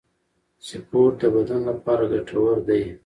سپورت د بدن لپاره ګټور دی